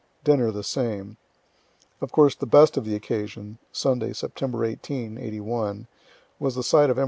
Dinner the same. Of course the best of the occasion (Sunday, September 18, '81) was the sight of E.